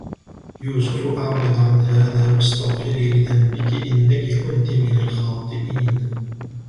يُوسُفُ أَعْرِضْ عَنْ هَذَا وَاسْتَغْفِرِي لِذَنْبِكِ إِنَّكِ كُنْتِ مِنَ الْخَاطِئِينَ